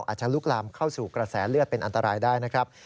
อาจจะลุกลามเข้าสู่กระแสเลือดเป็นอันตรายได้นะครับ